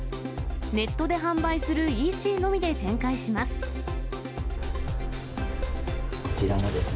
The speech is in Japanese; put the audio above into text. ネットで販売するＥＣのみで展開します。